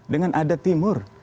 dengan adat timur